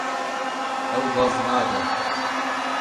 Ew baz nade.